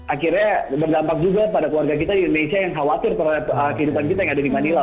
akhirnya berdampak juga pada keluarga kita di indonesia yang khawatir terhadap kehidupan kita yang ada di manila